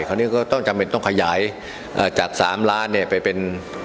คราวนี้ก็ต้องจำเป็นต้องขยายจากสามล้านเนี่ยไปเป็น